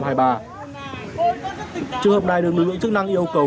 trường hợp này được lực lượng chức năng yêu cầu